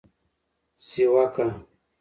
سیوکه: